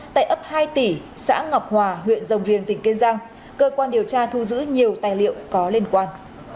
hai tỷ xã ngọc hòa huyện rồng riêng tỉnh kiên giang cơ quan điều tra thu giữ nhiều tài liệu có liên quan